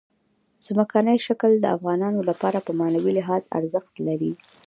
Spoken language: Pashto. ځمکنی شکل د افغانانو لپاره په معنوي لحاظ ارزښت لري.